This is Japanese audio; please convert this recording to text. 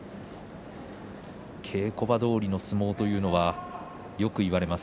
稽古場どおりの相撲というのはよく言われます。